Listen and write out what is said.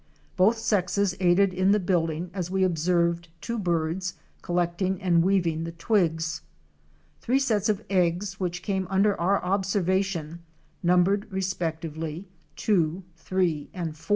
Both sexes aided in the building as we observed two birds collect ing and weaving the twigs. Three sets of eggs which came under our observation numbered respectively 2, 3, and 4.